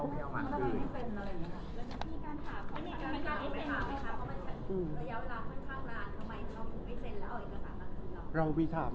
เราย้อนาวค่อนข้างมาทำไมเขาไม่เซ็นแล้วเอาเอกสารบัตรที่เรา